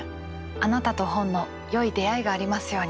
あなたと本のよい出会いがありますように。